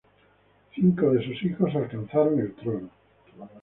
Cinco de sus hijos alcanzaron el trono.